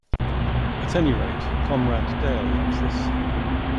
At any rate, Comrade Dale loves us.